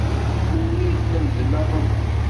Melmi i tlemdem aɛummu?